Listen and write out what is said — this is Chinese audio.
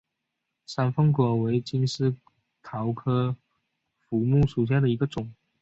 山凤果为金丝桃科福木属下的一个种。